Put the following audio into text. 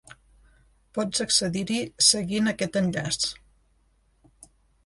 Pots accedir-hi seguint aquest enllaç.